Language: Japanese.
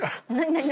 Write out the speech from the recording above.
何？